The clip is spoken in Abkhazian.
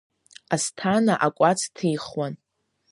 Асҭана акәац ҭихуан.